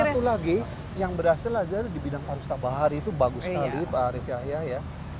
satu lagi yang berhasil adalah di bidang pak ustadz bahari itu bagus sekali pak arief yahya ya